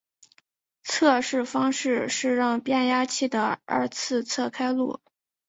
测试方式是让变压器的二次侧开路。